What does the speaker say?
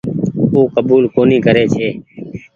او ڪبول ڪونيٚ ڪري ڇي۔